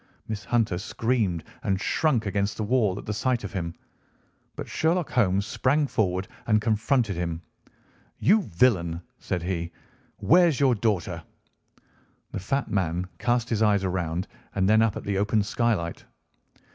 Miss Hunter screamed and shrunk against the wall at the sight of him, but Sherlock Holmes sprang forward and confronted him. "You villain!" said he, "where's your daughter?" The fat man cast his eyes round, and then up at the open skylight.